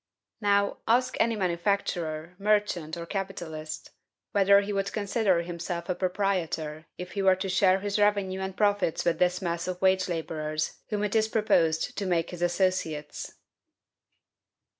Now, ask any manufacturer, merchant, or capitalist, whether he would consider himself a proprietor if he were to share his revenue and profits with this mass of wage laborers whom it is proposed to make his associates.